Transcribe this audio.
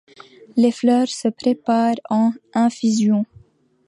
Les fleurs se préparent en infusion.